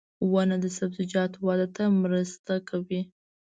• ونه د سبزیجاتو وده ته مرسته کوي.